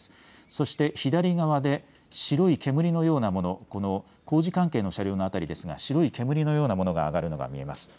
そして左側で白い煙のようなもの、工事関係の車両の辺りですが白い煙のようなものが上がるのが見えます。